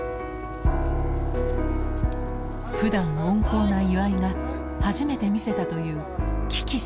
ふだん温厚な岩井が初めて見せたという鬼気迫る姿。